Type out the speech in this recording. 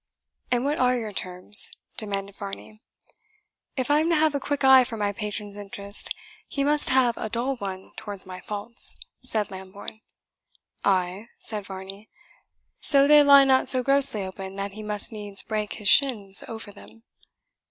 "And what are your terms?" demanded Varney. "If I am to have a quick eye for my patron's interest, he must have a dull one towards my faults," said Lambourne. "Ay," said Varney, "so they lie not so grossly open that he must needs break his shins over them."